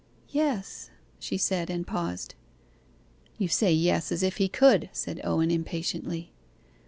'Yes,' she said, and paused. 'You say yes, as if he could,' said Owen impatiently.